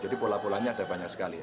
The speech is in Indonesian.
jadi pola polanya ada banyak sekali